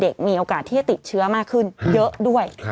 มีโอกาสที่จะติดเชื้อมากขึ้นเยอะด้วย